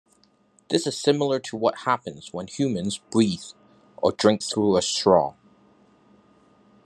This is similar to what happens when humans breathe or drink through a straw.